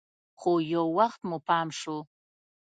خو يو وخت مو پام سو.